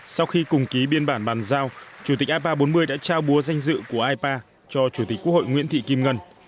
sau khi cùng ký biên bản bàn giao chủ tịch ipa bốn mươi đã trao búa danh dự của ipa cho chủ tịch quốc hội nguyễn thị kim ngân